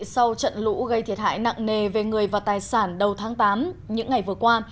sau trận lũ gây thiệt hại nặng nề về người và tài sản đầu tháng tám những ngày vừa qua